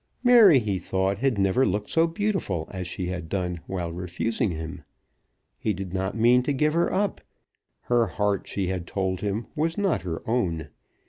Mary, he thought, had never looked so beautiful as she had done while refusing him. He did not mean to give her up. Her heart, she had told him, was not her own.